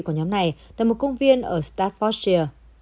của nhóm này tại một công viên ở staffordshire